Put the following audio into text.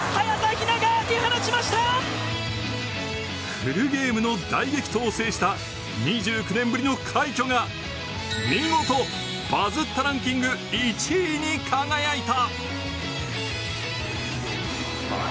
フルゲームの大激闘を制した２９年ぶりの快挙が見事、バズったランキング１位に輝いた！